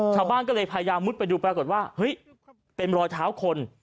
ชาวบ้านก็เลยพยายามมุดไปดูปรากฏว่าเฮ้ยเป็นรอยเท้าคน